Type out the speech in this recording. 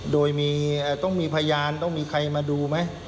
โดยต้องมีพยานต้องมีใครมาดูไหม